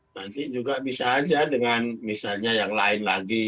nanti juga bisa aja dengan misalnya yang lain lagi